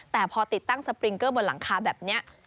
แต่พอติดตั้งสปริงเกอร์บนหลังคาแบบนี้